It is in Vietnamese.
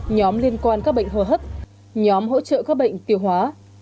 nhóm liên quan các bệnh hờ hức nhóm hỗ trợ các bệnh tiêu hóa